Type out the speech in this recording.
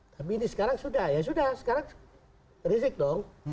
tapi ini sekarang sudah ya sudah sekarang rizik dong